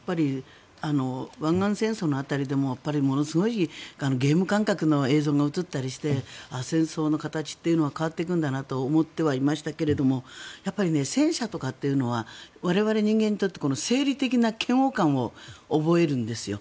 湾岸戦争の辺りでもものすごいゲーム感覚の映像が映ったりして戦争の形というのは変わっていくんだなとは思ってはいましたけれどもやっぱり戦車とかっていうのは我々人間にとって生理的な嫌悪感を覚えるんですよ。